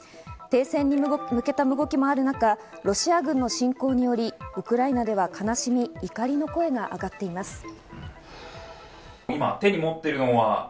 停戦に向けた動きもある中、ロシア軍の侵攻によりウクライナでは悲しみ、そして怒りの声が上がっています。